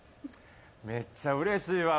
めっちゃうれしいわ。